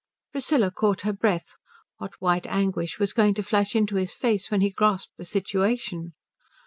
Priscilla caught her breath: what white anguish was going to flash into his face when he grasped the situation?